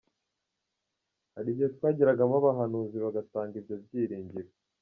Hari igihe twageragamo abahanuzi bagatanga ibyo byiringiro.